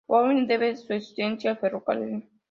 Bowie debe su existencia al ferrocarril.